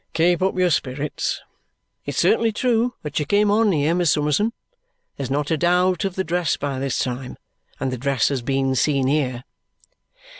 "Keep up your spirits. It's certainly true that she came on here, Miss Summerson. There's not a doubt of the dress by this time, and the dress has been seen here."